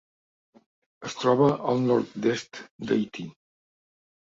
Es troba al nord-est d'Haití.